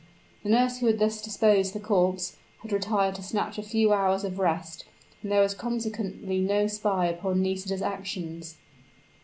The nurse who had thus disposed the corpse, had retired to snatch a few hours of rest; and there was consequently no spy upon Nisida's actions.